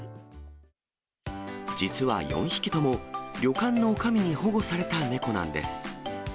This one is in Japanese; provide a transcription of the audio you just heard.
実は４匹とも、旅館のおかみに保護された猫なんです。